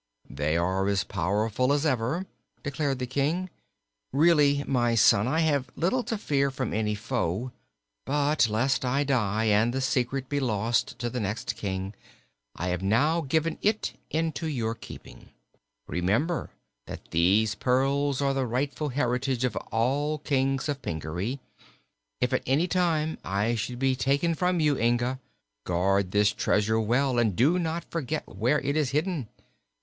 "They are as powerful as ever," declared the King. "Really, my son, I have little to fear from any foe. But lest I die and the secret be lost to the next King, I have now given it into your keeping. Remember that these pearls are the rightful heritage of all Kings of Pingaree. If at any time I should be taken from you, Inga, guard this treasure well and do not forget where it is hidden."